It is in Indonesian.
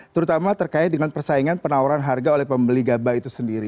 terutama terkait dengan persaingan penawaran harga oleh pembeli gabak itu sendiri